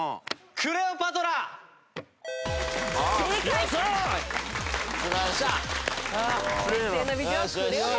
クレオパトラね。